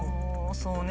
そうね